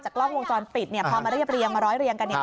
จากกล้องวงจรปิดพอมาเรียบเรียงมาร้อยเรียงกัน